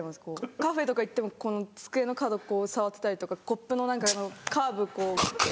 カフェとか行っても机の角っこを触ってたりとかコップのカーブこう。